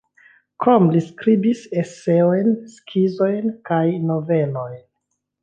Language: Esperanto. Krome li skribis eseojn, skizojn kaj novelojn.